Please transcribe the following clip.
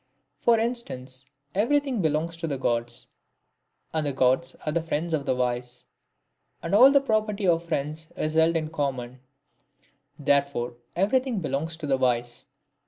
For instance : every thing belongs to the Gods ; and the Gods are friends to the wise ; and all the property of friends is held in common ; therefore everything belong to the wise.